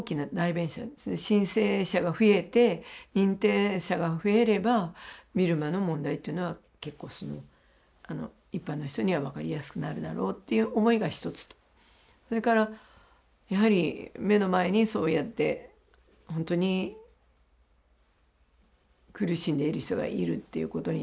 申請者が増えて認定者が増えればビルマの問題っていうのは結構一般の人には分かりやすくなるだろうっていう思いが一つとそれからやはり目の前にそうやってほんとに苦しんでいる人がいるっていうことに対してね